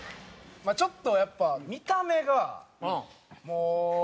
ちょっとやっぱ見た目がもうアカンすぎて。